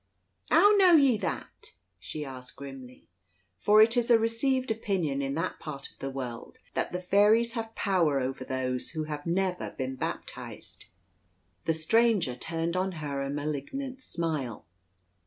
"How know ye that?" she asked grimly; for it is a received opinion in that part of the world that the fairies have power over those who have never been baptised. The stranger turned on her a malignant smile.